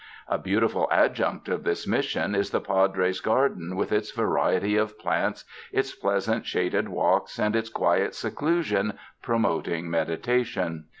A beautiful adjunct of this Mission is the Padres' gar den with its variety of plants, its pleasant shaded walks, and its quiet seclusion promoting meditation.